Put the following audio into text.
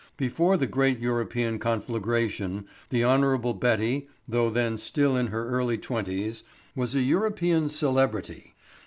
Before the great European conflagration the Hon. Betty, though then still in her early twenties, was a European celebrity.